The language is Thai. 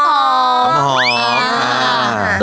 น้ำหอม